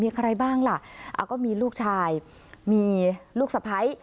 มีใครบ้างล่ะก็มีลูกชายมีลูกสะพ้าย